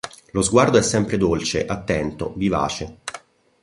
Lo sguardo è sempre dolce, attento, vivace.